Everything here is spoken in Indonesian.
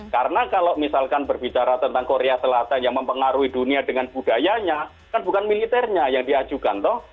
karena kalau misalkan berbicara tentang korea selatan yang mempengaruhi dunia dengan budayanya kan bukan militernya yang diajukan toh